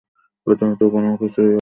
প্রথমত, কোনো কিছুই অসম্ভব না।